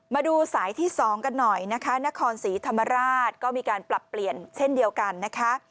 มาดูสายที่๒กันหน่อยนะคะนครศรีธรรมราชก็มีการปรับเปลี่ยนเช่นเดียวกันนะคะ